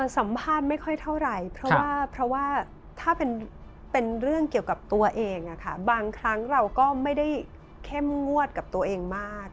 สัมภาษณ์ไม่ค่อยเท่าไหร่เพราะว่าถ้าเป็นเรื่องเกี่ยวกับตัวเองบางครั้งเราก็ไม่ได้เข้มงวดกับตัวเองมาก